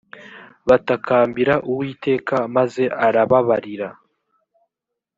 batakambira uwiteka maze arababarira